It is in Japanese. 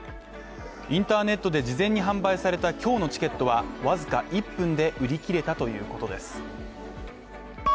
インターネットで事前に販売された今日のチケットはわずか１分で売り切れたということです